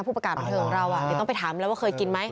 ผู้ประกาศประเทิงเราไม่ต้องไปถามแล้วว่าเคยกินไหม